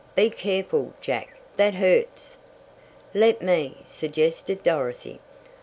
be careful, Jack, that hurts!" "Let me!" suggested Dorothy.